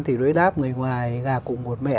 thì đối đáp người ngoài gà cùng một mẹ